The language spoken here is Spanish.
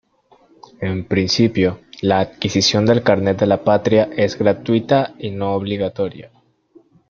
En principio, la adquisición del carnet de la patria es gratuita y no obligatoria.